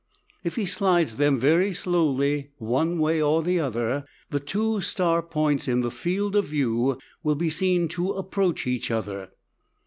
If he slides them very slowly one way or the other, the two star points in the field of view will be seen to approach each other.